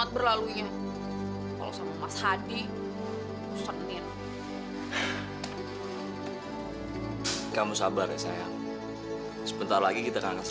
kalau saya pulang kalau tidak bupit suaranya saya n remembers telling sayang dingin aja